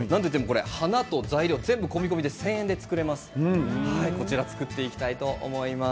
花と材料、全部込み込みで１０００円で作れます。